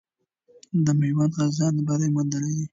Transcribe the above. د میوند غازیانو بری موندلی دی.